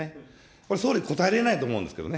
これ、総理答えられないと思うんですね。